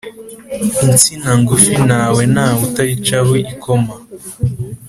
Insina ngufi ntawe ntawe utayicaho ikoma.